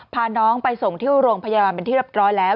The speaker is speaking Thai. พาน้องไปส่งที่โรงพยาบาลเป็นที่เรียบร้อยแล้ว